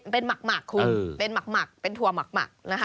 เป็นหมักคุณเป็นหมักเป็นถั่วหมักนะคะ